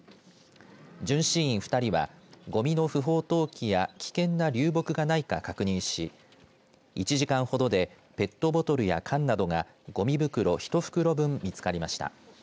巡視員２人はごみの不法投棄や危険な流木がないか確認し１時間ほどでペットボトルや缶などがごみ袋１袋分見つかりました。